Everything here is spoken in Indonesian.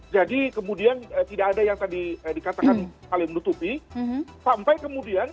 jadi kemudian tidak ada yang tadi dikatakan kalian menutupi sampai kemudian